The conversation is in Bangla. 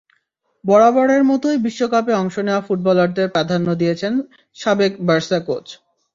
বরাবরের মতোই বিশ্বকাপে অংশ নেওয়া ফুটবলারদের প্রাধান্য দিয়েছেন সাবেক বার্সা কোচ।